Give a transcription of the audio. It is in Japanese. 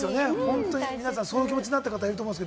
そういう気持ちになった方いると思います。